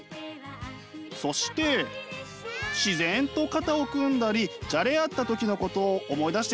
そして自然と肩を組んだりじゃれ合った時のことを思い出してください。